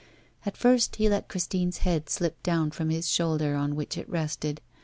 At first he let Christine's head slip down from his shoulder on which it rested.